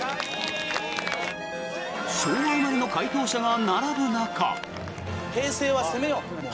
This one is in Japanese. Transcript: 昭和生まれの回答者が並ぶ中。